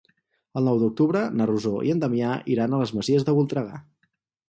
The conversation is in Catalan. El nou d'octubre na Rosó i en Damià iran a les Masies de Voltregà.